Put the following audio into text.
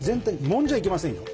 もんじゃいけませんよ。